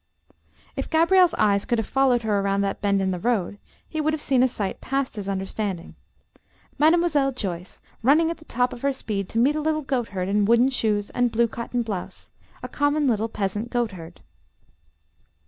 If Gabriel's eyes could have followed her around that bend in the road, he would have seen a sight past his understanding: Mademoiselle Joyce running at the top of her speed to meet a little goatherd in wooden shoes and blue cotton blouse, a common little peasant goatherd.